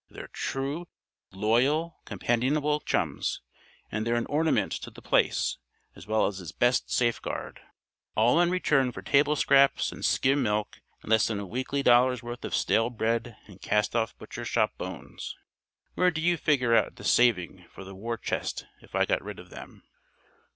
They're true, loyal, companionable chums, and they're an ornament to The Place as well as its best safeguard. All in return for table scraps and skim milk and less than a weekly dollar's worth of stale bread and cast off butcher shop bones. Where do you figure out the 'saving' for the war chest if I got rid of them?"